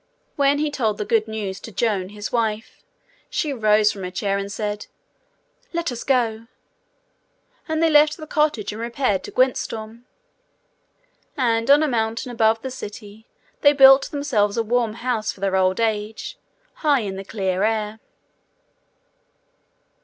When he told the good news to Joan, his wife, she rose from her chair and said, 'Let us go.' And they left the cottage, and repaired to Gwyntystorm. And on a mountain above the city they built themselves a warm house for their old age, high in the clear air.